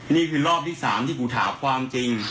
นี่คือรอบที่๓ที่กูถามความจริง